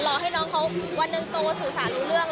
รอให้น้องเขาวันหนึ่งโตสื่อสารรู้เรื่อง